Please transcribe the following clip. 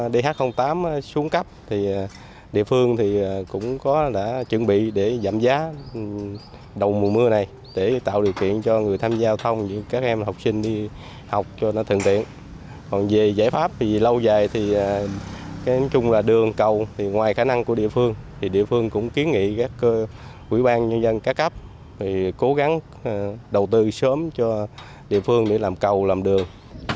đầu tư sớm cho địa phương để làm cầu làm đường